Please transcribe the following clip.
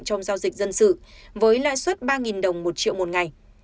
trong giao dịch dân sự với lãi suất ba đồng một triệu một ngày